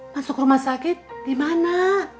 masuk rumah sakit dimana